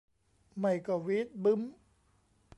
ไม่ก็วี๊ดบึ๊ม